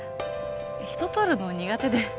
人を撮るの苦手で。